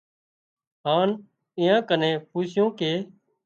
هانَ ايئان ڪن پوسِيُون ڪي